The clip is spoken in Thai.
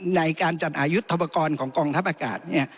ในการจัดหายุทธศาสตร์ธรรมกรของกองทัพอากาศ